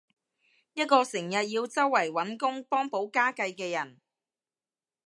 一個成日要周圍搵工幫補家計嘅人